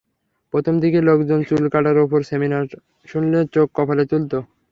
প্রথম দিকে লোকজন চুল কাটার ওপর সেমিনার শুনলে চোখ কপালে তুলত।